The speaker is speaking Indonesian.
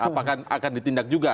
apakah akan ditindak juga